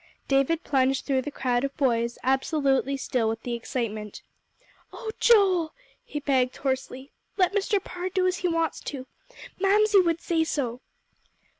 David plunged through the crowd of boys, absolutely still with the excitement. "Oh Joel," he begged hoarsely, "let Mr. Parr do as he wants to. Mamsie would say so."